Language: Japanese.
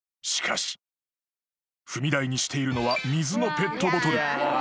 ［しかし］［踏み台にしているのは水のペットボトル］